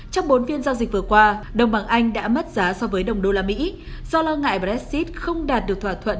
trong bốn phiên giao dịch vừa qua đồng bằng anh đã mất giá so với đồng usd do lo ngại brexit không đạt được thỏa thuận